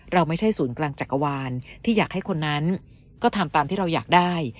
เราไม่ใช่ศูนย์กลางจักรวาลที่อยากให้คนนั้นก็ทำตามที่เราอยากได้